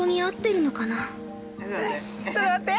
◆ちょっと待って。